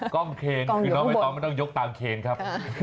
กล้องเครนคือน้องไอ้ต้องยกตามเครนครับ